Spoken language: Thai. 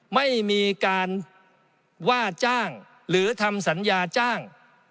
ไม่มีการว่าจ้างหรือทำสัญญาจ้าง